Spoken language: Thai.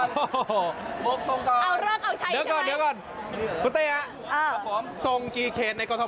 เดี๋ยวก่อนบกทุ่ง่ะบกทุ่ง่ะ